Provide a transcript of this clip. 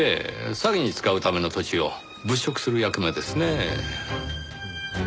詐欺に使うための土地を物色する役目ですねぇ。